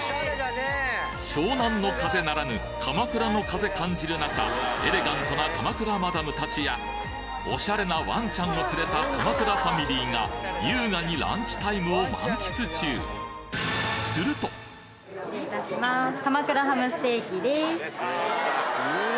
湘南乃風ならぬ鎌倉の風感じる中エレガントな鎌倉マダム達やオシャレなワンちゃんを連れた鎌倉ファミリーが優雅にランチタイムを満喫中失礼いたします。